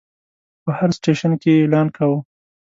په هر سټیشن کې یې اعلان کاوه.